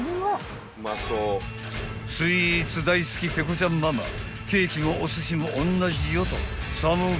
［スイーツ大好きペコちゃんママケーキもおすしもおんなじよと］